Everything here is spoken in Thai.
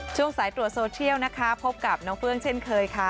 ช่วงสายตรวจโซเทียลนะคะพบกับน้องเฟื้องเช่นเคยค่ะ